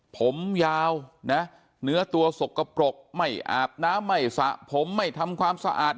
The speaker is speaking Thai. ผมยาวนะเนื้อตัวสกปรกไม่อาบน้ำไม่สระผมไม่ทำความสะอาด